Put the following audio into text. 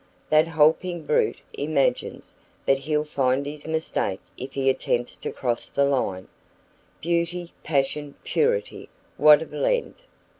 That hulking brute imagines but he'll find his mistake if he attempts to cross the line. Beauty, passion, purity what a blend!